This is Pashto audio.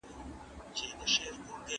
ولي ښوونکي د مورنۍ ژبي کارول ګټور بولي؟